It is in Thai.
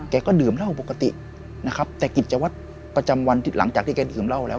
ก็ดื่มเหล้าปกตินะครับแต่กิจวัตรประจำวันที่แกดื่มเหล้าแล้ว